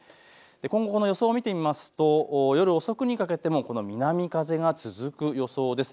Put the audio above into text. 今後の予想を見てみますと、夜遅くにかけては南風がずっと続く予想です。